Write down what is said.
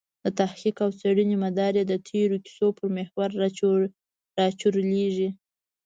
د تحقیق او څېړنې مدار یې د تېرو کیسو پر محور راچورلېږي.